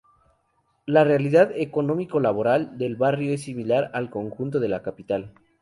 La realidad económico-laboral del barrio es similar al conjunto de la capital.